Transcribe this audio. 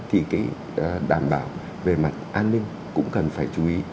thì cái đảm bảo về mặt an ninh cũng cần phải chú ý